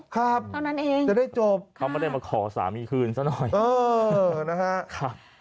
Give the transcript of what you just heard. เท่านั้นเองจะได้จบเขาไม่ได้มาขอสามีคืนซะหน่อยเออนะฮะ